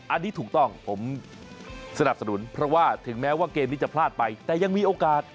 อันนี้ถูกต้องผมสนับสนุนเพราะว่าถึงแม้ว่าเกมนี้จะพลาดไปแต่ยังมีโอกาส